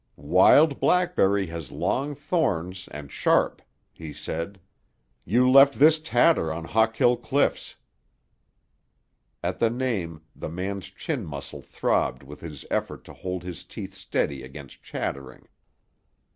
"Wild blackberry has long thorns and sharp," he said. "You left this tatter on Hawkill Cliffs." At the name, the man's chin muscle throbbed with his effort to hold his teeth steady against chattering.